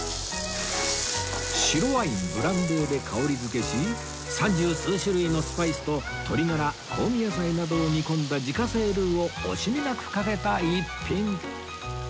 白ワインブランデーで香り付けし三十数種類のスパイスと鶏ガラ香味野菜などを煮込んだ自家製ルーを惜しみなくかけた逸品